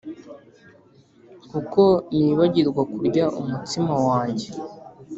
Kuko nibagirwa kurya umutsima wanjye